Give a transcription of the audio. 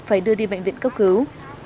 phải đưa đi bệnh viện cấp cứu